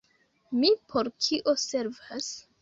Mi por kio servas?